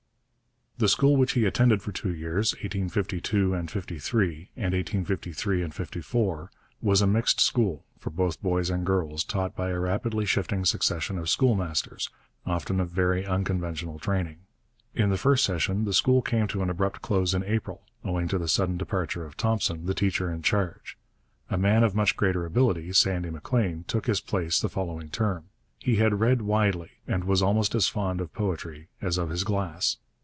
The school which he attended for two years, 1852 53 and 1853 54, was a mixed school, for both boys and girls, taught by a rapidly shifting succession of schoolmasters, often of very unconventional training. In the first session the school came to an abrupt close in April, owing to the sudden departure of Thompson, the teacher in charge. A man of much greater ability, Sandy Maclean, took his place the following term. He had read widely, and was almost as fond of poetry as of his glass.